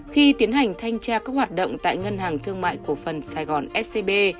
khi tiến hành thanh tra các hoạt động tại ngân hàng thương mại cổ phần sài gòn scb